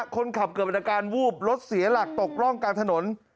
คนขับเกิดอาการวูบรถเสียหลักตกร่องกลางถนน